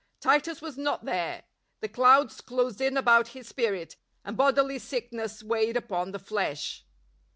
Titus was not there; the clouds closed in about his spirit, and bodily sickness weighed upon the flesh.